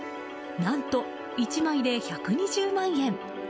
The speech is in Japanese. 何と１枚で１２０万円。